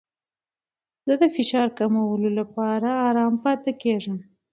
زه د فشار کمولو لپاره ارام پاتې کیږم.